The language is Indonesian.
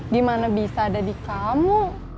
di mana bisa ada di kamu